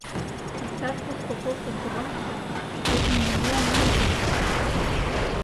Иктаж-кушко коштын толаш гын, шкетын нимо оҥайже уке.